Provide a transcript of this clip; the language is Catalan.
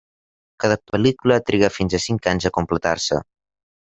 Cada pel·lícula triga fins a cinc anys a completar-se.